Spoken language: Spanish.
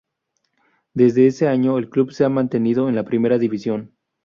Desde ese año el Club se ha mantenido en la Primera División.